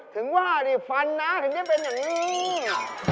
ถึงว่านี่ฟันนะถึงได้เป็นอย่างนี้